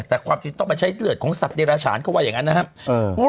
แต่ความจริงต้องมาใช้เลือดของสัตว์เยราฉานก็ว่าอย่างเงี้ยนะครับเออ